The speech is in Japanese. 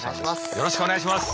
よろしくお願いします。